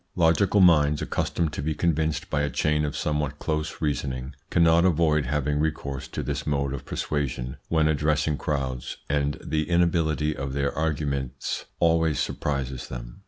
Logical minds, accustomed to be convinced by a chain of somewhat close reasoning, cannot avoid having recourse to this mode of persuasion when addressing crowds, and the inability of their arguments always surprises them.